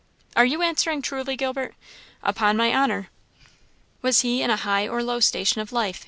"Are you answering truly, Gilbert?" "Upon my honour!" "Was he in a high or low station of life?"